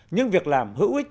nhưng việc làm hữu ích